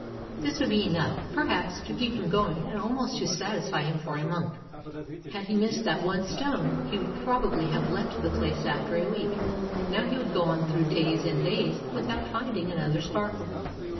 This would be enough, perhaps, to keep him going and almost to satisfy him for a month. Had he missed 440 THE DIAMOND FIELDS OF SOUTH AFRICA that one stone he would probably have left the place after a week. Now he would go on through days and days without finding another sparkle.